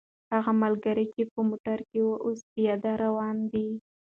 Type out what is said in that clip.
هغه ملګری چې په موټر کې و، اوس په پیاده روان دی.